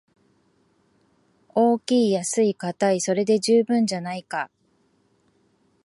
大きい安いかたい、それで十分じゃないか